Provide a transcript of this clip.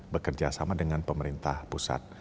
bekerja sama dengan pemerintah pusat